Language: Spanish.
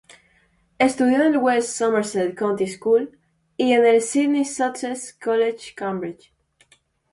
Estudió en el West Somerset County School y en el Sidney Sussex College, Cambridge.